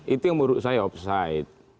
itu yang menurut saya off site